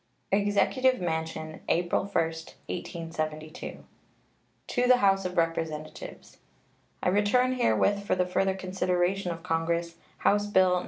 EXECUTIVE MANSION, April 1, 1872. To the House of Representatives: I return herewith, for the further consideration of Congress, House bill No.